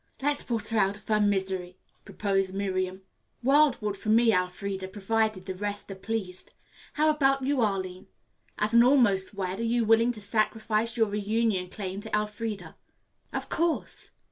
"Let's put her out of her misery," proposed Miriam. "Wildwood for me, Elfreda, provided the rest are pleased. How about you, Arline? As an almost wed are you willing to sacrifice your reunion claim to Elfreda?" "Of course."